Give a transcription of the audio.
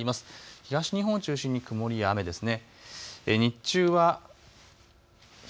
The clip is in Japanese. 東日本を中心に曇りや雨ですね。